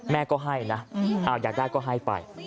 แม่ก็ให้นะอยากได้ก็ให้ไป